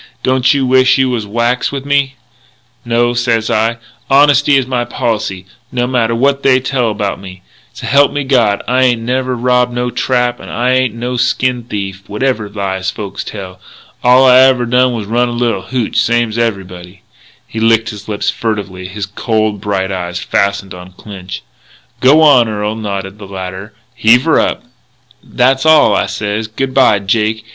Don't you wish you was whacks with me?' "'No,' sez I, 'honesty is my policy, no matter what they tell about me. S'help me God, I ain't never robbed no trap and I ain't no skin thief, whatever lies folks tell. All I ever done was run a little hootch, same's everybody.'" He licked his lips furtively, his cold, bright eyes fastened on Clinch. "G'wan, Earl," nodded the latter, "heave her up." "That's all. I sez, 'Good bye, Jake.